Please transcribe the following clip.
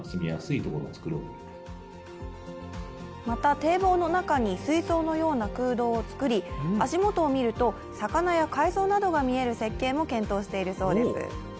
また、堤防の中に水槽のような空洞を造り、足元を見ると、魚や海藻などが見える設計なども検討しているそうです。